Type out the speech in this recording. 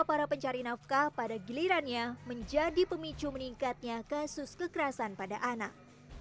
para pencari nafkah pada gilirannya menjadi pemicu meningkatnya kasus kekerasan pada anak